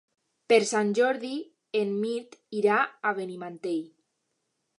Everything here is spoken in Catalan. Per Sant Jordi en Mirt irà a Benimantell.